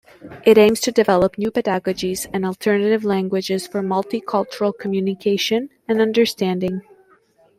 It aims to develop new pedagogies and alternative languages for multi-cultural communication and understanding.